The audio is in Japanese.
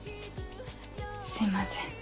すいません。